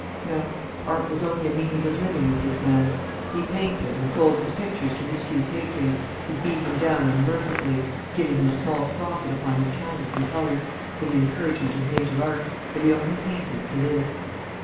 No; art was only a means of living with this man. He painted, and sold his pictures to his few patrons, who beat him down unmercifully, giving him a small profit upon his canvas and colours, for the encouragement of native art; but he only painted to live.